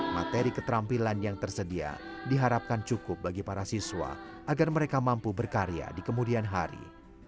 materi keterampilan yang tersedia diharapkan cukup bagi para siswa agar mereka mampu berkarya di kemudian hari